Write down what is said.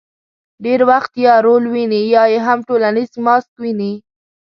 ډېر وخت یې یا رول ویني، یا یې هم ټولنیز ماسک ویني.